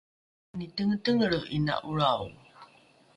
mani tengetengelre ’ina ’olrao